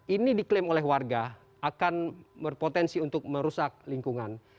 ini diklaim oleh warga akan berpotensi untuk merusak lingkungan